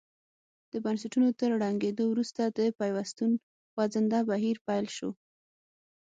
د بنسټونو تر ړنګېدو وروسته د پیوستون خوځنده بهیر پیل شو.